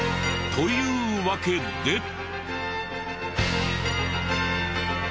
というわけで。